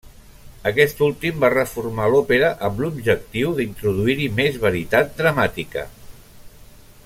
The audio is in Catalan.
Aquest últim va reformar l'òpera amb l'objectiu d'introduir-hi més veritat dramàtica.